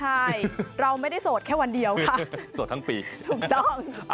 ใช่เราไม่ได้โสดแค่วันเดียวค่ะโสดทั้งปีถูกต้อง